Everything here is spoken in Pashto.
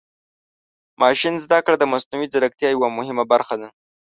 ماشین زده کړه د مصنوعي ځیرکتیا یوه مهمه برخه ده.